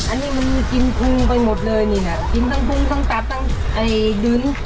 อันนี้มันกินพุงไปหมดเลยนี่น่ะกินทั้งพุงทั้งตับทั้งไอ้ดิน